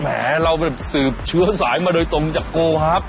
แหมเราแบบสืบเชื้อสายมาโดยตรงจากโกฮับ